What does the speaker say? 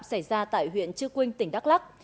xảy ra tại huyện chư quynh tỉnh đắk lắk